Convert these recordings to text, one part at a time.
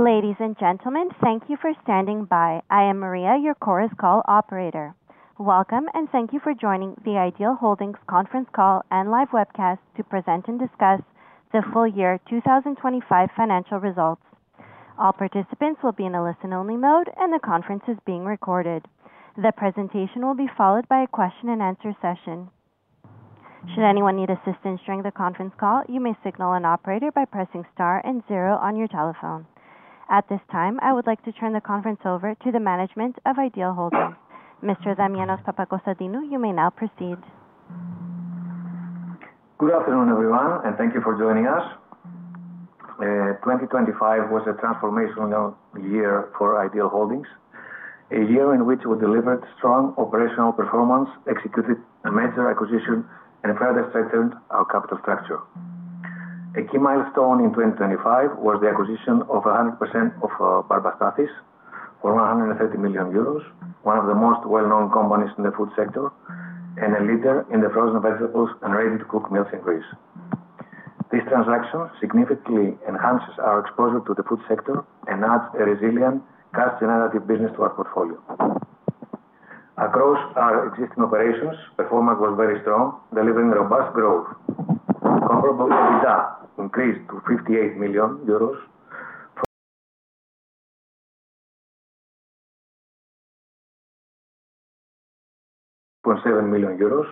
Ladies and gentlemen, thank you for standing by. I am Maria, your Chorus Call operator. Welcome. Thank you for joining the IDEAL Holdings conference call and live webcast to present and discuss the full year 2025 financial results. All participants will be in a listen-only mode, and the conference is being recorded. The presentation will be followed by a question and answer session. Should anyone need assistance during the conference call, you may signal an operator by pressing star and zero on your telephone. At this time, I would like to turn the conference over to the management of IDEAL Holdings. Mr. Damianos Papakonstantinou, you may now proceed. Good afternoon, everyone, and thank you for joining us. 2025 was a transformational year for IDEAL Holdings, a year in which we delivered strong operational performance, executed a major acquisition, and further strengthened our capital structure. A key milestone in 2025 was the acquisition of 100% of Barba Stathis for 130 million euros, one of the most well-known companies in the food sector, and a leader in the frozen vegetables and ready-to-cook meals in Greece. This transaction significantly enhances our exposure to the food sector and adds a resilient, cash-generative business to our portfolio. Across our existing operations, performance was very strong, delivering robust growth. Comparable EBITDA increased to 58 million euros, 0.7 million euros,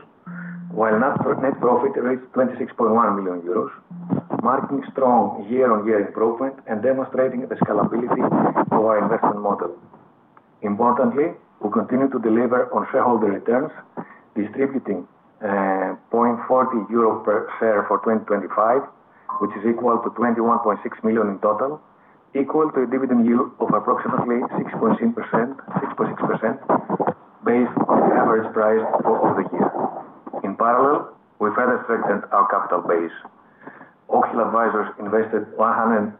while net profit reached 26.1 million euros, marking strong year-on-year improvement and demonstrating the scalability of our investment model. Importantly, we continue to deliver on shareholder returns, distributing 0.40 euro per share for 2025, which is equal to 21.6 million in total, equal to a dividend yield of approximately 6.6%, based on the average price over the year. In parallel, we further strengthened our capital base. Oak Hill Advisors invested 102.5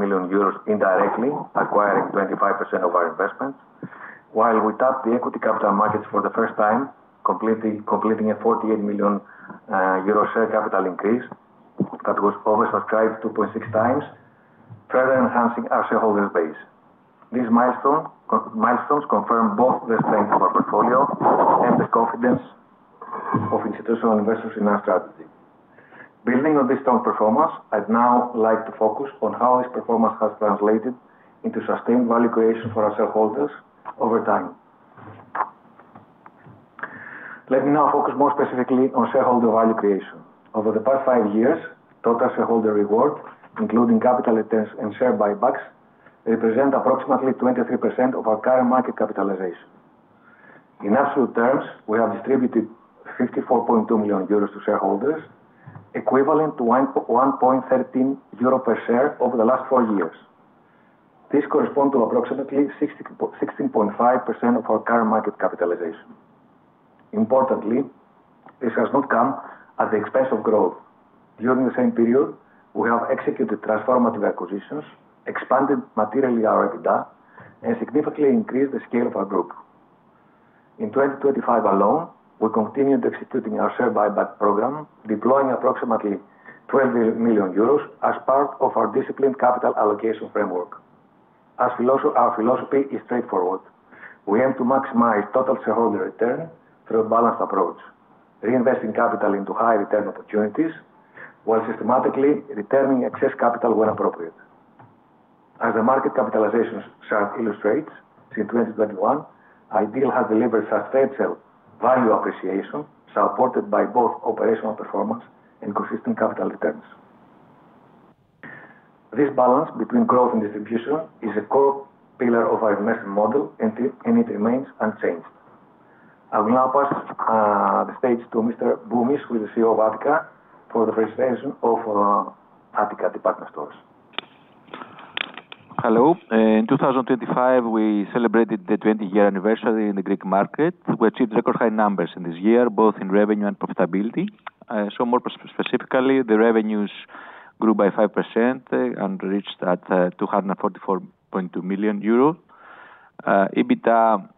million euros indirectly, acquiring 25% of our investments, while we tapped the equity capital markets for the first time, completing a 48 million euro share capital increase that was oversubscribed 2.6x, further enhancing our shareholder base. These milestones confirm both the strength of our portfolio and the confidence of institutional investors in our strategy. Building on this strong performance, I'd now like to focus on how this performance has translated into sustained value creation for our shareholders over time. Let me now focus more specifically on shareholder value creation. Over the past 5 years, total shareholder reward, including capital returns and share buybacks, represent approximately 23% of our current market capitalization. In absolute terms, we have distributed 54.2 million euros to shareholders, equivalent to 1.13 euro per share over the last 4 years. This correspond to approximately 16.5% of our current market capitalization. Importantly, this has not come at the expense of growth. During the same period, we have executed transformative acquisitions, expanded materially our EBITDA, and significantly increased the scale of our group. In 2025 alone, we continued executing our share buyback program, deploying approximately 12 million euros as part of our disciplined capital allocation framework. Our philosophy is straightforward: We aim to maximize total shareholder return through a balanced approach, reinvesting capital into high return opportunities, while systematically returning excess capital when appropriate. As the market capitalization chart illustrates, since 2021, IDEAL has delivered substantial value appreciation, supported by both operational performance and consistent capital returns. This balance between growth and distribution is a core pillar of our investment model, and it remains unchanged. I will now pass the stage to Mr. Boumis, who is the CEO of attica, for the presentation of attica Department Stores. Hello. In 2025, we celebrated the 20-year anniversary in the Greek market. We achieved record high numbers in this year, both in revenue and profitability. Specifically, the revenues grew by 5%, and reached at 244.2 million euros. EBITDA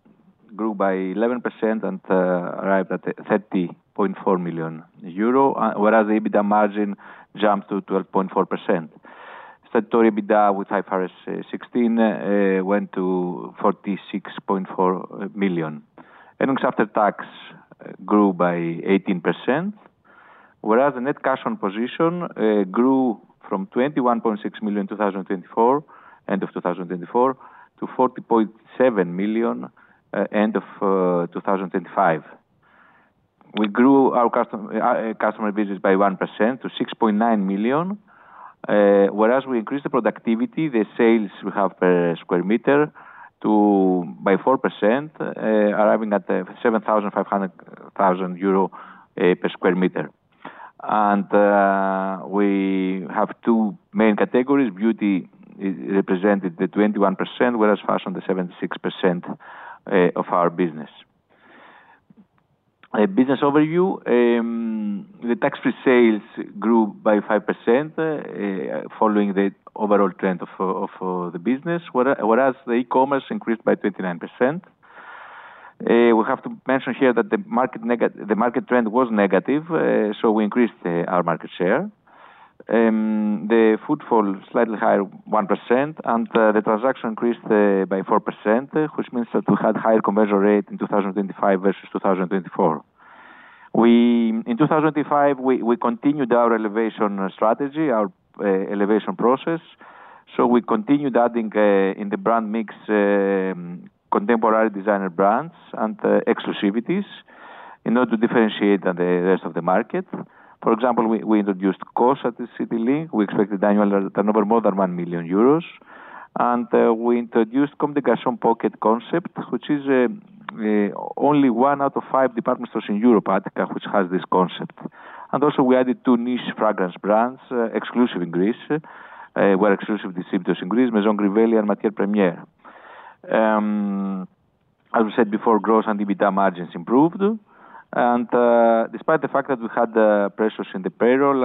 grew by 11% and arrived at 30.4 million euro, whereas the EBITDA margin jumped to 12.4%. Static EBITDA with IFRS 16 went to 46.4 million. Earnings after tax grew by 18%, whereas the net cash on position grew from 21.6 million in 2024, end of 2024, to 40.7 million, end of 2025. We grew our customer visits by 1% to 6.9 million, whereas we increased the productivity, the sales we have per square meter, by 4%, arriving at EUR 7,500 thousand per square meter. We have two main categories, beauty represented the 21%, whereas fashion, the 76% of our business. A business overview, the tax-free sales grew by 5%, following the overall trend of the business, whereas the e-commerce increased by 39%. We have to mention here that the market trend was negative, we increased our market share. The footfall slightly higher, 1%, the transaction increased by 4%, which means that we had higher conversion rate in 2025 versus 2024. In 2025, we continued our elevation strategy, our elevation process, we continued adding in the brand mix, contemporary designer brands and exclusivities in order to differentiate on the rest of the market. For example, we introduced COS at the City Link. We expected annual turnover, more than 1 million euros, we introduced communication pocket concept, which is only one out of five department stores in Europe, attica, which has this concept. We added two niche fragrance brands, exclusive in Greece, were exclusive to City Link in Greece, Maison Crivelli and Matiere Premiere. As we said before, gross and EBITDA margins improved. Despite the fact that we had pressures in the payroll,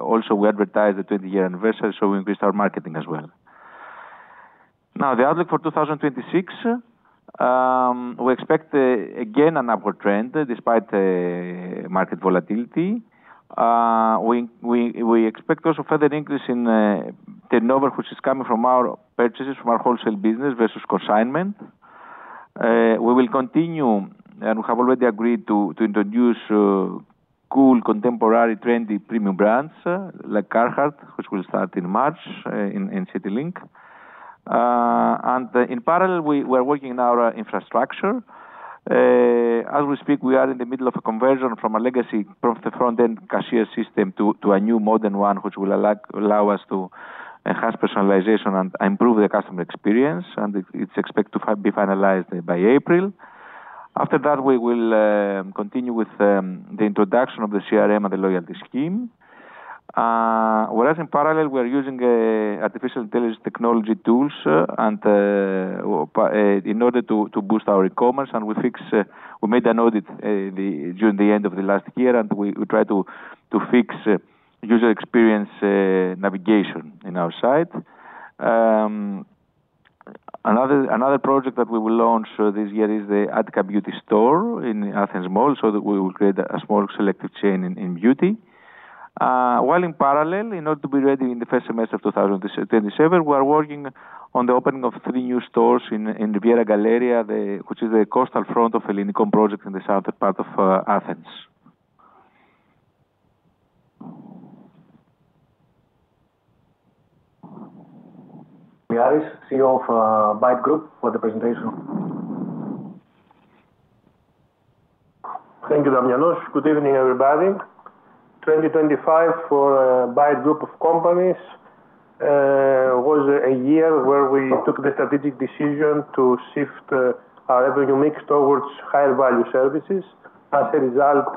also we advertised the 20-year anniversary, so we increased our marketing as well. Now, the outlook for 2026, we expect again, an upward trend, despite market volatility. We expect also further increase in turnover, which is coming from our purchases, from our wholesale business versus consignment. We will continue, and we have already agreed to introduce cool, contemporary, trendy, premium brands like Carhartt, which will start in March in City Link. And in parallel, we're working on our infrastructure. As we speak, we are in the middle of a conversion from a legacy pro front-end cashier system to a new modern one, which will allow us to enhance personalization and improve the customer experience. It's expected to be finalized by April. After that, we will continue with the introduction of the CRM and the loyalty scheme. In parallel, we are using artificial intelligence technology tools in order to boost our e-commerce. We fix, we made a note it, during the end of the last year, we try to fix user experience navigation in our site. Another project that we will launch this year is the attica beauty store in Athens Mall that we will create a small selective chain in beauty. While in parallel, in order to be ready in the first semester of 2027, we are working on the opening of three new stores in the Riviera Galleria, the, which is the coastal front of Ellinikon project in the southern part of Athens. Vassiliadis, CEO of, BYTE Group for the presentation. Thank you, Damianos. Good evening, everybody. 2025 for, BYTE Group of companies, was a year where we took the strategic decision to shift, our revenue mix towards higher value services. As a result,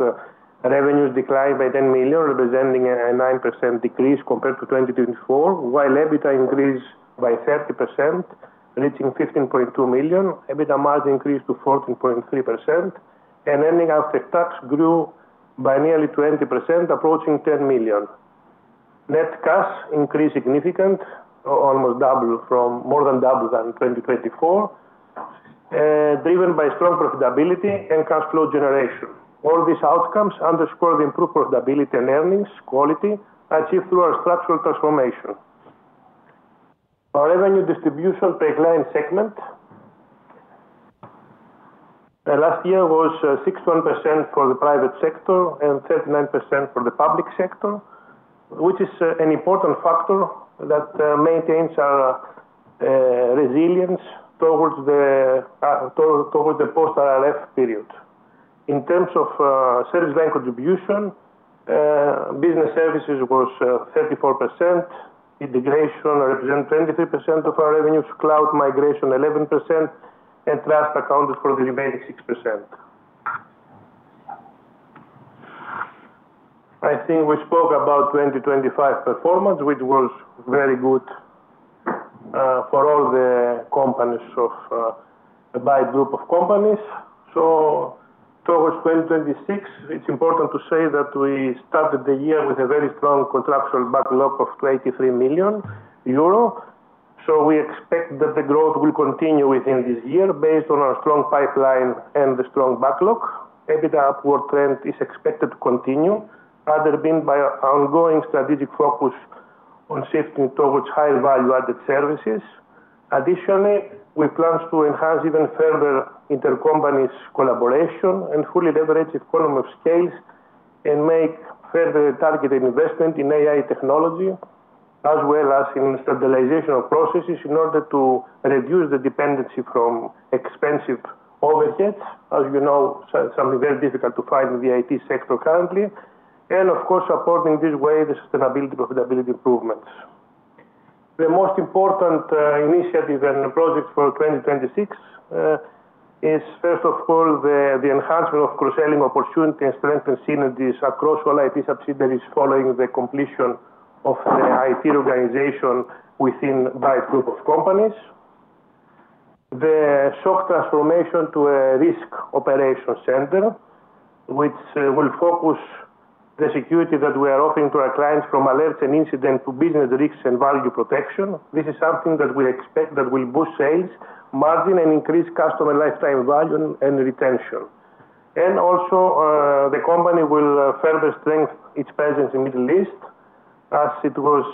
revenues declined by 10 million, representing a 9% decrease compared to 2024, while EBITDA increased by 30%, reaching 15.2 million. EBITDA margin increased to 14.3%, and ending after tax grew by nearly 20%, approaching 10 million. Net cash increased significant, more than double than in 2024, driven by strong profitability and cash flow generation. All these outcomes underscore the improved profitability and earnings quality achieved through our structural transformation. Our revenue distribution by line segment. Last year was 61% for the private sector and 39% for the public sector, which is an important factor that maintains our resilience towards the post RRF period. In terms of service line contribution, business services was 34%, integration represent 23% of our revenues, cloud migration 11%, and trust accounted for the remaining 6%. I think we spoke about 2025 performance, which was very good for all the companies of the BYTE group of companies. Towards 2026, it's important to say that we started the year with a very strong contractual backlog of 23 million euro. We expect that the growth will continue within this year, based on our strong pipeline and the strong backlog. EBITDA upward trend is expected to continue, further been by our ongoing strategic focus on shifting towards higher value-added services. Additionally, we plan to enhance even further intercompany's collaboration and fully leverage economy of scale, and make further targeted investment in AI technology, as well as in stabilization of processes in order to reduce the dependency from expensive overheads, as you know, so something very difficult to find in the IT sector currently, and of course, supporting this way, the sustainability, profitability improvements. The most important initiative and projects for 2026 is, first of all, the enhancement of cross-selling opportunity and strengthen synergies across all IT subsidiaries, following the completion of the IT organization within BYTE group of companies. The SOC transformation to a risk operation center, which will. the security that we are offering to our clients from alerts and incidents to business risks and value protection. This is something that we expect that will boost sales, margin, and increase customer lifetime value and retention. The company will further strengthen its presence in Middle East, as it was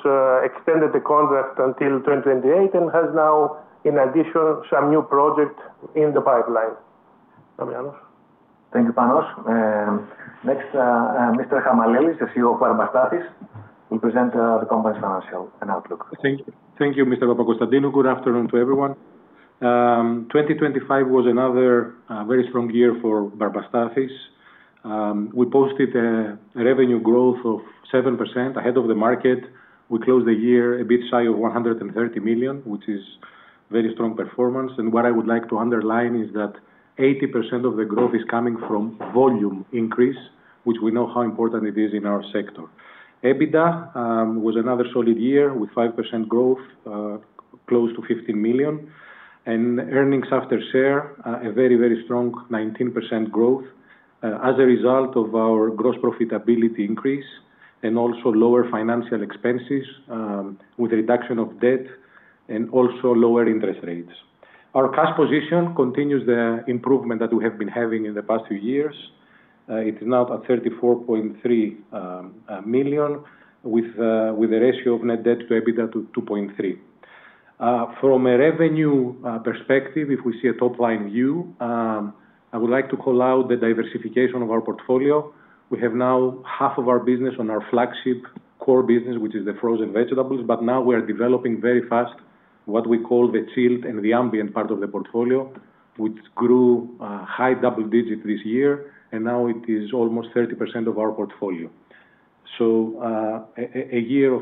extended the contract until 2028, and has now, in addition, some new project in the pipeline. Damianos? Thank you, Panos. Next, Mr. Chamalemis, the CEO of Barba Stathis, will present the company's financial and outlook. Thank you, Mr. Papakonstantinou. Good afternoon to everyone. 2025 was another very strong year for Barba Stathis. We posted a revenue growth of 7% ahead of the market. We closed the year a bit shy of 130 million, which is very strong performance. What I would like to underline is that 80% of the growth is coming from volume increase, which we know how important it is in our sector. EBITDA was another solid year with 5% growth, close to 15 million. Earnings after share, a very, very strong 19% growth, as a result of our gross profitability increase and also lower financial expenses, with a reduction of debt and also lower interest rates. Our cash position continues the improvement that we have been having in the past few years. It is now at 34.3 million, with a ratio of net debt to EBITDA to 2.3. From a revenue perspective, if we see a top-line view, I would like to call out the diversification of our portfolio. We have now half of our business on our flagship core business, which is the frozen vegetables, but now we are developing very fast, what we call the chilled and the ambient part of the portfolio, which grew high double digit this year, and now it is almost 30% of our portfolio. Another year of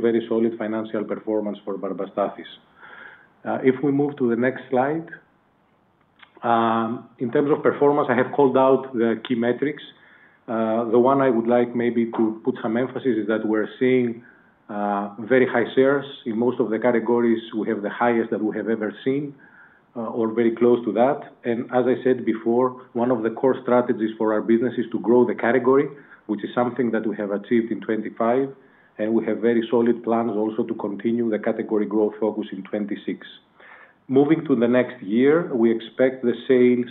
very solid financial performance for Barba Stathis. If we move to the next slide. In terms of performance, I have called out the key metrics. The one I would like maybe to put some emphasis is that we're seeing very high shares. In most of the categories, we have the highest that we have ever seen or very close to that. As I said before, one of the core strategies for our business is to grow the category, which is something that we have achieved in 25, and we have very solid plans also to continue the category growth focus in 26. Moving to the next year, we expect the sales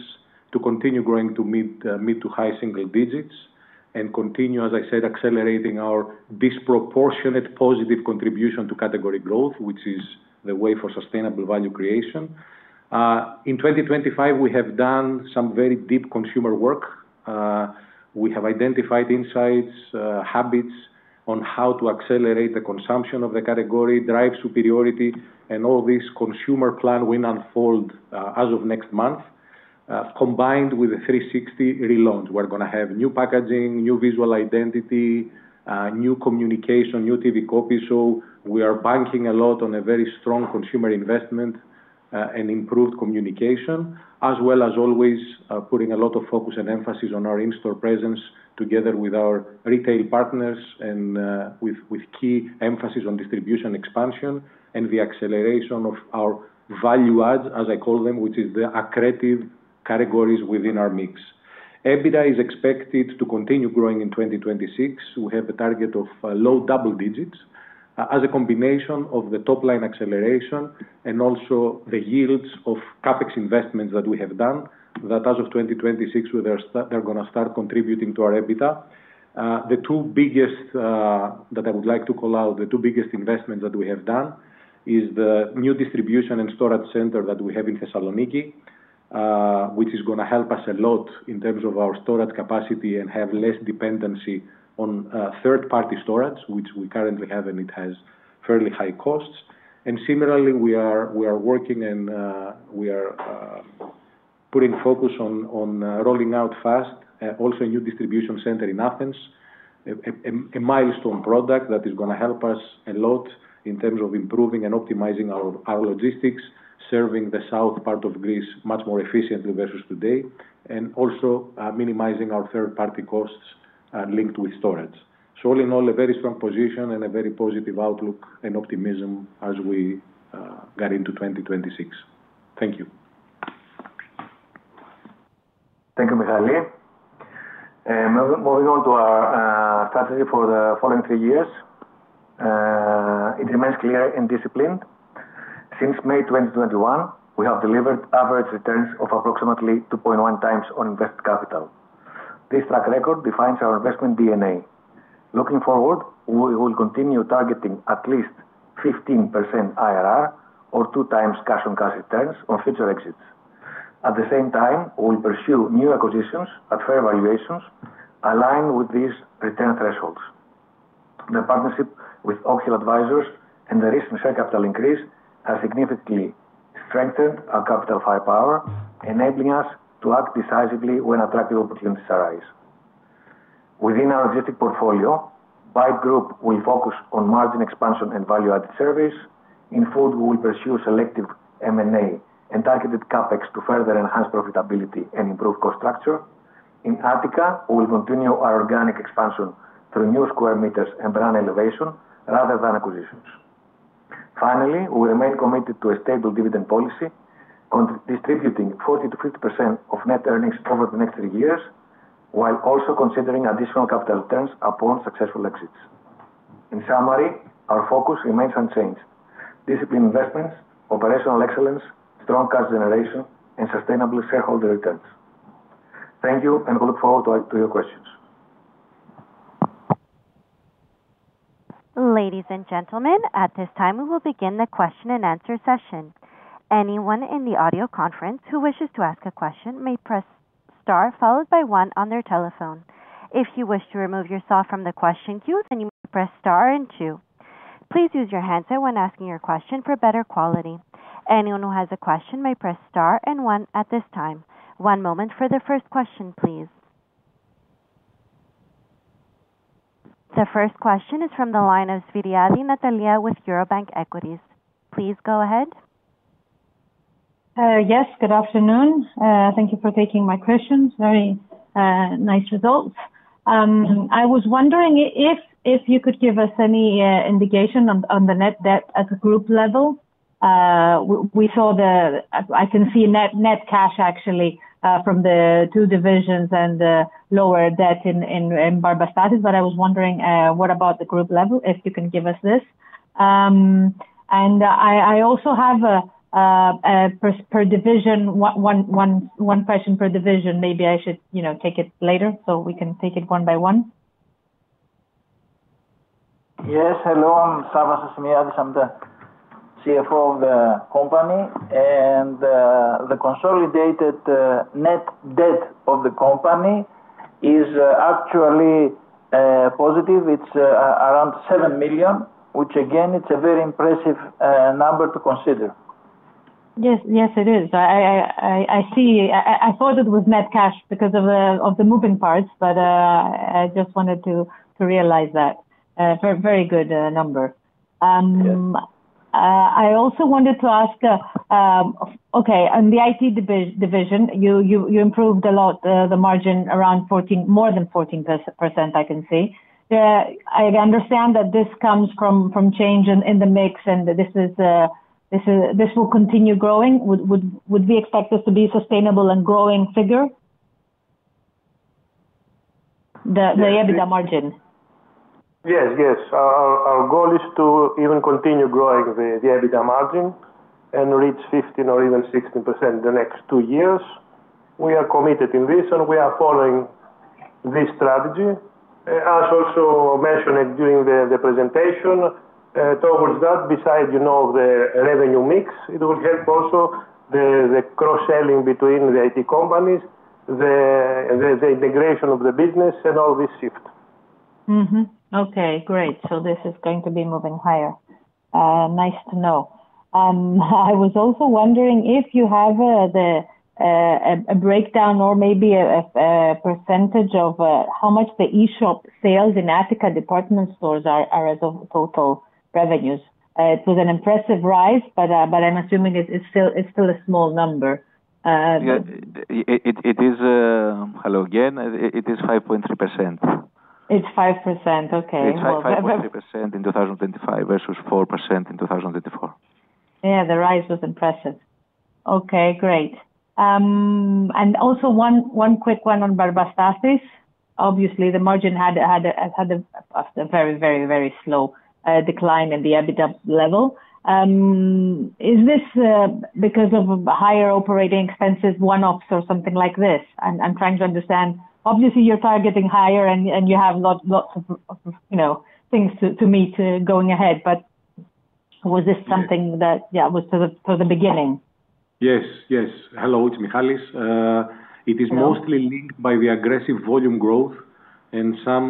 to continue growing to mid to high single digits, and continue, as I said, accelerating our disproportionate positive contribution to category growth, which is the way for sustainable value creation. In 2025, we have done some very deep consumer work. We have identified insights, habits on how to accelerate the consumption of the category, drive superiority, and all this consumer plan will unfold as of next month. Combined with the 360 relaunch, we're gonna have new packaging, new visual identity, new communication, new TV copy. We are banking a lot on a very strong consumer investment and improved communication, as well as always, putting a lot of focus and emphasis on our in-store presence together with our retail partners and with key emphasis on distribution expansion and the acceleration of our value adds, as I call them, which is the accretive categories within our mix. EBITDA is expected to continue growing in 2026. We have a target of low double digits, as a combination of the top line acceleration and also the yields of CapEx investments that we have done, that as of 2026, they're gonna start contributing to our EBITDA. The two biggest that I would like to call out, the two biggest investments that we have done, is the new distribution and storage center that we have in Thessaloniki, which is gonna help us a lot in terms of our storage capacity and have less dependency on third-party storage, which we currently have, and it has fairly high costs. Similarly, we are working and we are putting focus on rolling out fast also a new distribution center in Athens, a milestone product that is gonna help us a lot in terms of improving and optimizing our logistics, serving the south part of Greece much more efficiently versus today, and also minimizing our third-party costs linked with storage. All in all, a very strong position and a very positive outlook and optimism as we get into 2026. Thank you. Thank you, Michali. Moving on to our strategy for the following three years, it remains clear and disciplined. Since May 2021, we have delivered average returns of approximately 2.1x on invested capital. This track record defines our investment DNA. Looking forward, we will continue targeting at least 15% IRR or 2x cash-on-cash returns on future exits. At the same time, we'll pursue new acquisitions at fair valuations aligned with these return thresholds. The partnership with Oak Hill Advisors and the recent share capital increase have significantly strengthened our capital firepower, enabling us to act decisively when attractive opportunities arise. Within our existing portfolio, by group, we focus on margin expansion and value-added service. In food, we will pursue selective M&A and targeted CapEx to further enhance profitability and improve cost structure. In attica, we will continue our organic expansion through new square meters and brand elevation rather than acquisitions. Finally, we remain committed to a stable dividend policy on distributing 40%-50% of net earnings over the next 3 years, while also considering additional capital returns upon successful exits. In summary, our focus remains unchanged. Discipline investments, operational excellence, strong cash generation, and sustainable shareholder returns. Thank you, and we look forward to your questions. Ladies and gentlemen, at this time, we will begin the question and answer session. Anyone in the audio conference who wishes to ask a question may press star, followed by 1 on their telephone. If you wish to remove yourself from the question queue, you may press star and 2. Please use your handset when asking your question for better quality. Anyone who has a question may press star and 1 at this time. One moment for the first question, please. The first question is from the line of Natalia Svyriadi with Eurobank Equities. Please go ahead. Yes, good afternoon. Thank you for taking my questions. Very nice results. I was wondering if you could give us any indication on the net debt at the group level. I can see net cash, actually, from the two divisions and the lower debt in Barba Stathis, but I was wondering what about the group level, if you can give us this. I also have a per division, one question per division. Maybe I should, you know, take it later, so we can take it one by one. Yes, hello, I'm Savas Asimiadis, I'm the CFO of the company, and the consolidated net debt of the company is actually positive. It's around 7 million, which again, it's a very impressive number to consider. Yes. Yes, it is. I see. I thought it was net cash because of the moving parts, but I just wanted to realize that, very good number. Yes. I also wanted to ask, okay, on the IT division, you improved a lot, the margin around 14%, more than 14%, I can see. I understand that this comes from change in the mix, and this will continue growing. Would we expect this to be sustainable and growing figure? Yes. EBITDA margin. Yes, yes. Our goal is to even continue growing the EBITDA margin and reach 15% or even 16% in the next 2 years. We are committed in this. We are following this strategy. As also mentioned it during the presentation, towards that, besides, you know, the revenue mix, it will help also the cross-selling between the IT companies, the integration of the business and all this shift. Okay, great. This is going to be moving higher. Nice to know. I was also wondering if you have a breakdown or maybe a percentage of how much the eShop sales in attica Department Stores are as of total revenues. It was an impressive rise, but I'm assuming it's still a small number. Yeah, it is. Hello again. It is 5.3%. It's 5%, okay. It's 5.3% in 2025, versus 4% in 2024. Yeah, the rise was impressive. Okay, great. Also one quick one on Barba Stathis. Obviously, the margin had a very, very slow decline in the EBITDA level. Is this because of higher operating expenses, one-offs or something like this? I'm trying to understand. Obviously, you're targeting higher and you have lots of, you know, things to meet going ahead, but was this something that- Yes. Yeah, was for the, for the beginning? Yes, yes. Hello, it's Michalis. Hello. It is mostly linked by the aggressive volume growth and some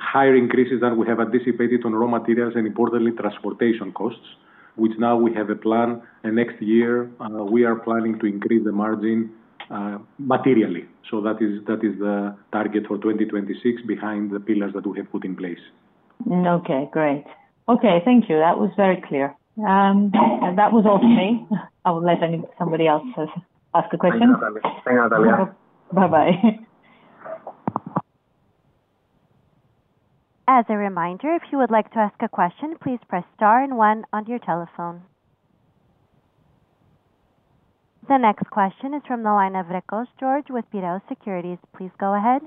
higher increases that we have anticipated on raw materials and importantly, transportation costs, which now we have a plan, and next year, we are planning to increase the margin materially. That is the target for 2026 behind the pillars that we have put in place. Okay, great. Okay, thank you. That was very clear. That was all to me. I will let any somebody else ask a question. Thank you, Natalia. Bye-bye. As a reminder, if you would like to ask a question, please press star 1 on your telephone. The next question is from the line of Vrekos George with Piraeus Securities. Please go ahead.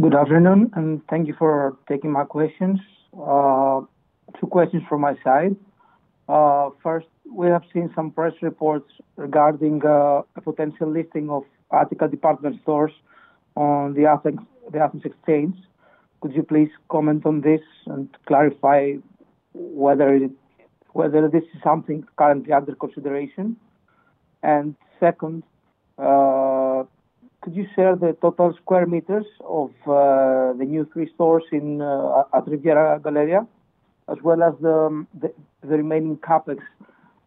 Good afternoon. Thank you for taking my questions. Two questions from my side. First, we have seen some press reports regarding a potential listing of attica Department Stores on the Athens, the Athens Exchange. Could you please comment on this and clarify whether this is something currently under consideration? Second, could you share the total square meters of the new three stores in at Riviera Galleria, as well as the remaining CapEx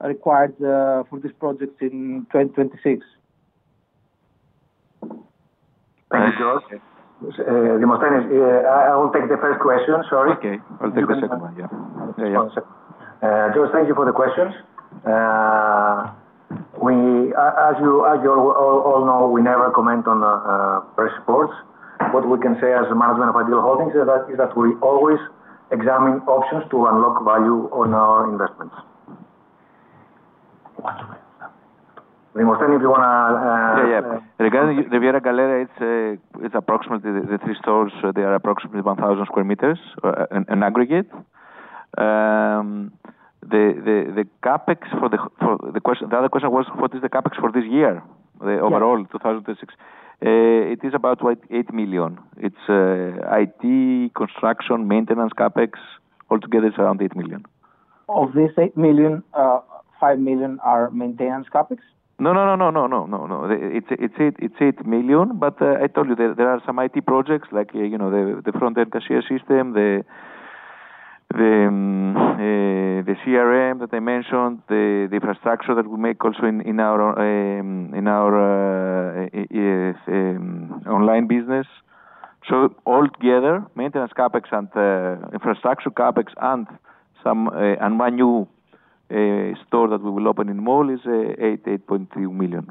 required for this project in 2026? Thank you, George. Dimosthenis, I will take the first question. Sorry. Okay. I'll take the second one, yeah. George, thank you for the questions.... We as you all know, we never comment on press reports. What we can say as a management of IDEAL Holdings is that we always examine options to unlock value on our investments. Demosthenis, if you wanna. Yeah, yeah. Regarding the Riviera Galleria, it's approximately the 3 stores, they are approximately 1,000 square meters in aggregate. The other question was, what is the CapEx for this year? Yeah. The overall 2026. It is about like 8 million. It's IT, construction, maintenance, CapEx, altogether is around 8 million. Of this 8 million, 5 million are maintenance CapEx? No, no, no, no, no. It's 8 million. I told you there are some IT projects like, you know, the front end cashier system, the CRM that I mentioned, the infrastructure that we make also in our own online business. Altogether, maintenance CapEx and the infrastructure CapEx and some and my new store that we will open in mall is 8.2 million.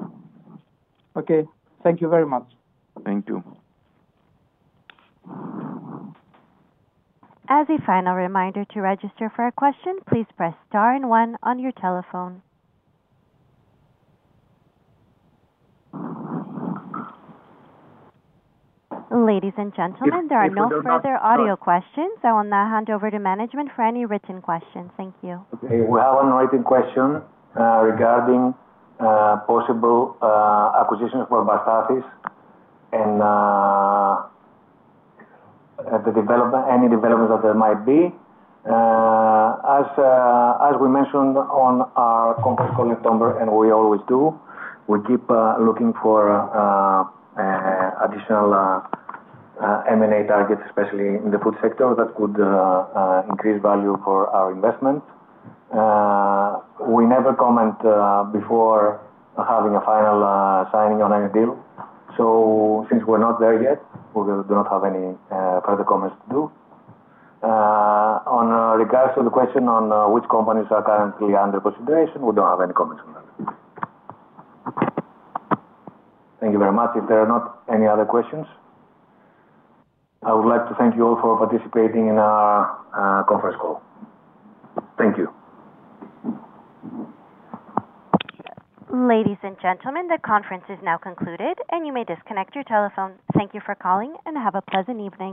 Okay. Thank you very much. Thank you. As a final reminder, to register for a question, please press star and one on your telephone. Ladies and gentlemen- If there are not- There are no further audio questions. I will now hand over to management for any written questions. Thank you. Okay. We have one written question, regarding possible acquisitions for Barba Stathis and the development, any development that there might be. As we mentioned on our conference call in October, and we always do, we keep looking for additional M&A targets, especially in the food sector, that could increase value for our investment. We never comment before having a final signing on any deal. Since we're not there yet, we will do not have any further comments to do. On regards to the question on which companies are currently under consideration, we don't have any comments on that. Thank you very much. If there are not any other questions, I would like to thank you all for participating in our conference call. Thank you. Ladies and gentlemen, the conference is now concluded, and you may disconnect your telephone. Thank you for calling, and have a pleasant evening.